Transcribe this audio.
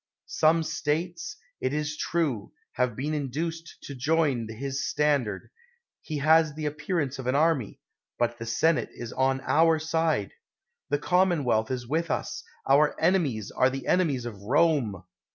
Some states, it is true, have been induced to join his standard; he has the appearance of an army, but the senate is on our side. The commonwealth is with us; our enemies are the enemies of Rome.